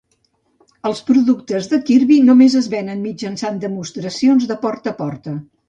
Els productes de Kirby només es venen mitjançant demostracions de porta a porta.